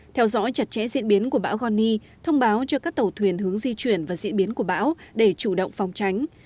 theo dõi chặt chẽ diễn biến của bão goni thông báo cho các tàu thuyền hướng di chuyển và diễn biến của bão để chủ động phòng tránh